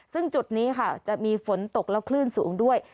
ซึ่งจุดนี้ค่ะจะมีฝนตกแล้วคลื่นสูงด้วย